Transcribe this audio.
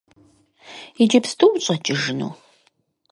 Иджыпсту ущӏэкӏыжыну?